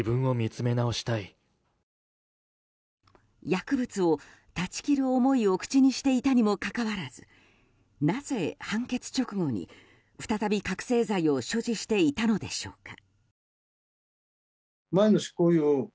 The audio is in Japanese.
薬物を断ち切る思いを口にしていたにもかかわらずなぜ判決直後に、再び覚醒剤を所持していたのでしょうか。